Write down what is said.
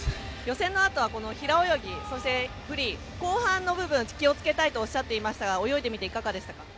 予選のあとは平泳ぎ、フリー後半の部分気を付けたいとおっしゃっていましたが泳いでみていかがですか？